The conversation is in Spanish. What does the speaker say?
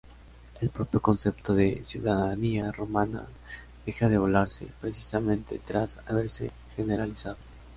El propio concepto de ciudadanía romana deja de valorarse, precisamente tras haberse generalizado.